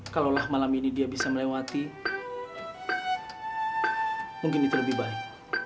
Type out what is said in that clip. kalau malam ini dia bisa melewati mungkin itu lebih baik